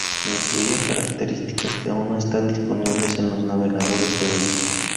Incluía características que aún no están disponibles en los navegadores de hoy.